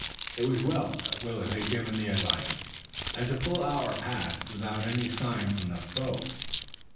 It was well that Willet had given the advice, as a full hour passed without any sign from the foe.